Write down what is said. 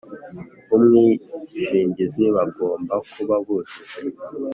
b umwishingizi bagomba kuba bujuje